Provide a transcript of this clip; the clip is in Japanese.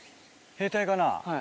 兵隊かな。